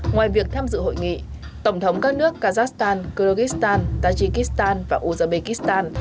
ngoài việc tham dự hội nghị tổng thống các nước kazakhstan kyrgyzstan tajikistan và uzbekistan